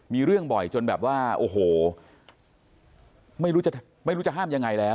มีเรื่องบ่อยจนแบบว่าโอ้โหไม่รู้จะไม่รู้จะห้ามยังไงแล้ว